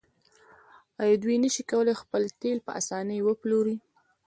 آیا دوی نشي کولی خپل تیل په اسانۍ وپلوري؟